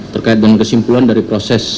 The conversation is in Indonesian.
terkait dengan kesimpulan dari proses